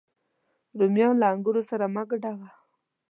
رومیان له انګورو سره مه ګډوه